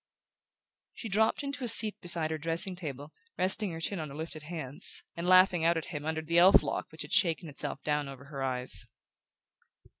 She dropped into a seat beside her dressing table, resting her chin on her lifted hands, and laughing out at him under the elf lock which had shaken itself down over her eyes.